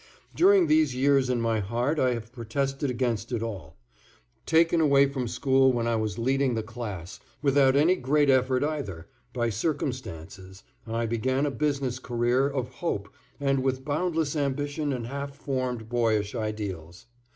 During these years in my heart I have protested against it all. Taken away from school when I was leading the class, without any great effort either, by circumstances, I began a business career of hope and with boundless ambition and half formed boyish ideals.